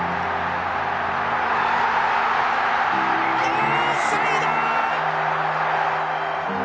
ノーサイド！